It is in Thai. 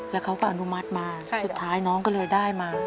แล้วเขาก็อนุมัติมาสุดท้ายน้องก็เลยได้มา